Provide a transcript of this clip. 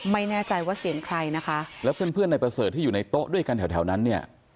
ไม่แน่ใจว่าเสียงใครนะคะแล้วเพื่อนเพื่อนในประเสริฐที่อยู่ในโต๊ะด้วยกันแถวแถวนั้นเนี่ย